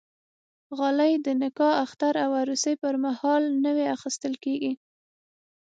غالۍ د نکاح، اختر او عروسي پرمهال نوی اخیستل کېږي.